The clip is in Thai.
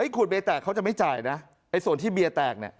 ขุดเบียร์แตกเขาจะไม่จ่ายนะในส่วนที่เบียร์แตก